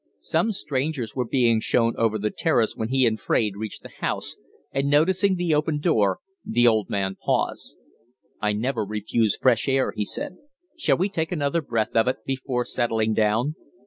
Some strangers were being shown over the Terrace when he and Fraide reached the House, and, noticing the open door, the old man paused. "I never refuse fresh air," he said. "Shall we take another breath of it before settling down?"